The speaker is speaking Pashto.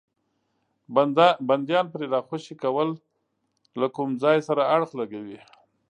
بندیان پرې راخوشي کول له کوم ځای سره اړخ لګوي.